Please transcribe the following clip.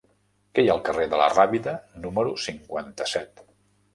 Què hi ha al carrer de la Rábida número cinquanta-set?